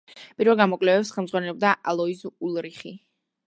პირველ გამოკვლევებს ხელმძღვანელობდა ალოიზ ულრიხი.